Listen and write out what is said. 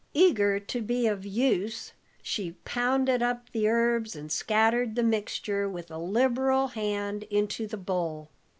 Eager to be of use, she pounded up the herbs and scattered the mixture with a liberal hand into the bowl.